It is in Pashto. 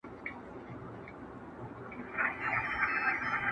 • اوس و خپلو ته پردی او بېګانه دی,